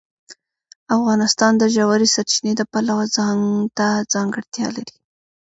افغانستان د ژورې سرچینې د پلوه ځانته ځانګړتیا لري.